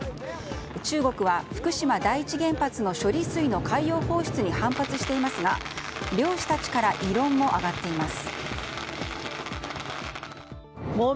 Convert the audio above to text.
中国は、福島第一原発の処理水の海洋放出に反発していますが、漁師たちから異論も上がっています。